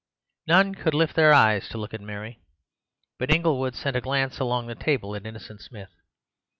None could lift their eyes to look at Mary; but Inglewood sent a glance along the table at Innocent Smith.